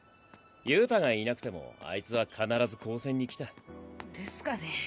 憂太がいなくてもあいつは必ず高専に来た。ですかね？